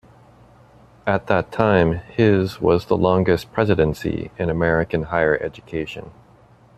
At that time his was the longest presidency in American higher education.